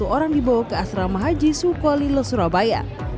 dua puluh satu orang dibawa ke asrama haji sukolilo surabaya